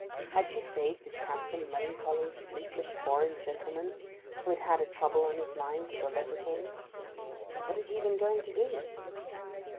Had she saved this handsome, melancholy, sleepless, foreign gentleman who had had a trouble on his mind till the letter came? What had he been going to do?